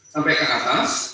sampai ke atas